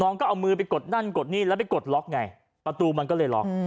น้องก็เอามือไปกดนั่นกดนี่แล้วไปกดล็อกไงประตูมันก็เลยล็อก